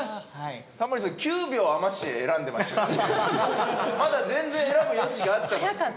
タモリさん９秒余して選んでましたけどまだ全然選ぶ余地があった。